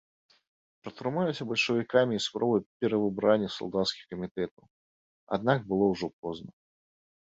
Прадпрымаліся бальшавікамі і спробы перавыбрання салдацкіх камітэтаў, аднак было ўжо позна.